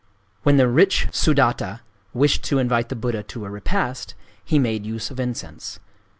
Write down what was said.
When the rich Sudatta wished to invite the Buddha to a repast, he made use of incense.